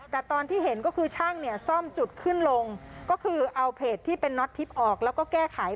แต่ตอนที่เห็นก็คือช่างเนี่ยซ่อมจุดขึ้นลงก็คือเอาเพจที่เป็นน็อตทิพย์ออกแล้วก็แก้ไข